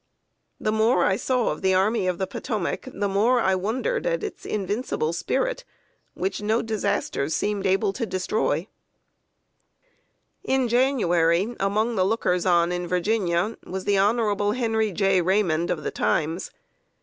The more I saw of the Army of the Potomac, the more I wondered at its invincible spirit, which no disasters seemed able to destroy. [Sidenote: CURIOUS BLUNDER OF THE TELEGRAPH.] In January, among the lookers on in Virginia, was the Hon. Henry J. Raymond, of The Times.